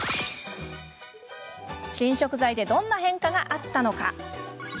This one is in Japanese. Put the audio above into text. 新食材でどんな変化があったのか。